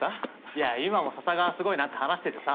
いや今も笹川はすごいなって話しててさ。